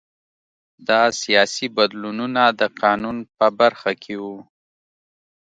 دا سیاسي بدلونونه د قانون په برخه کې وو